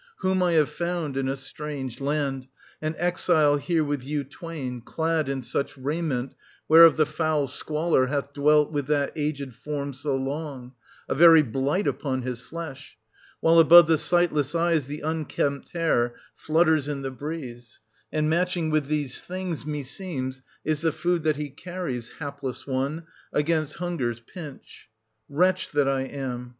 Whom I have found in a strange land, an exile here with you twain, clad in such raiment, whereof the foul squalor hath dwelt with 1260 that aged form so long, a very blight upon his flesh, — while above the sightless eyes the unkempt hair flutters in the breeze; and matching with these things, meseems, is the food that he carries, hapless one, against hunger's pinch. Wretch that I am